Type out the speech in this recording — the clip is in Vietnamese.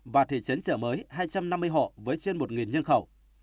và thị trấn sở mới hai trăm năm mươi hộ với trên một nhân khẩu